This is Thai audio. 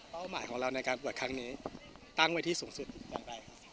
หมายของเราในการตรวจครั้งนี้ตั้งไว้ที่สูงสุดอย่างไรครับ